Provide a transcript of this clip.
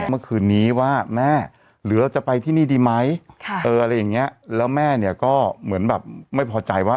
เมื่อคืนนี้ว่าแม่หรือเราจะไปที่นี่ดีไหมอะไรอย่างเงี้ยแล้วแม่เนี่ยก็เหมือนแบบไม่พอใจว่า